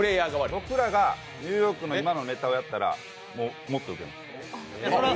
僕らがニューヨークの今のネタをやったらもっとウケます。